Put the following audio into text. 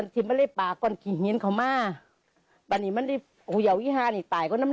แต่ฉันก็กลัวแบบที่ส่งถึงมาแล้วครับ